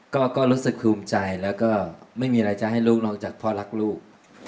ก็รู้สึกภูมิใจแล้วก็ไม่มีอะไรจะให้ลูกนอกจากพ่อรักลูก